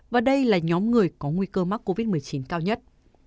và đây là nhóm người có nguy cơ mắc covid một mươi chín cao nhất